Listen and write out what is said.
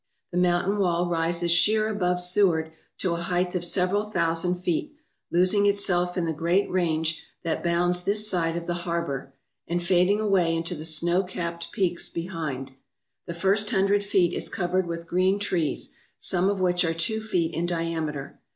The mountain wall rises sheer above Seward to a height of several thousand feet, losing itself in the great range that bounds this side of the harbour and fading away into the snow capped peaks behind. The first hundred feet is covered with green trees, some of which are two feet in diameter.